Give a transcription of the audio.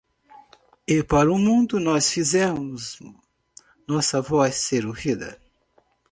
E para o mundo nós fizemos nossa voz ser ouvida